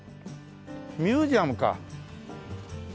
ミュージアムかこれ。